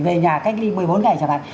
về nhà cách ly một mươi bốn ngày chẳng hạn